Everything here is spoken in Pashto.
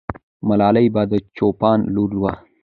ملالۍ به د چوپان لور وه.